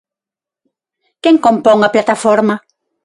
Quen compón a Plataforma?